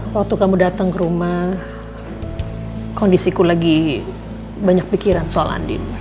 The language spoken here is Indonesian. waktu kamu dateng ke rumah kondisi ku lagi banyak pikiran soal andi dulu